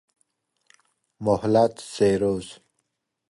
مهلت سه روز